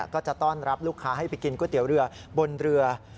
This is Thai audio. ก็จะต้อนรับลูกค้าให้ไปกินก๋วยเตี๋ยวเรือบนเรือ